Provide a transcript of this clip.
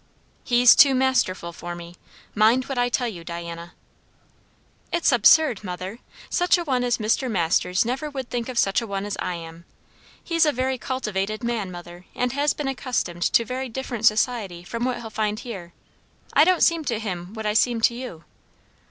"He's too masterful for me. Mind what I tell you, Diana." "It's absurd, mother! Such a one as Mr. Masters never would think of such a one as I am. He's a very cultivated man, mother; and has been accustomed to very different society from what he'll find here. I don't seem to him what I seem to you."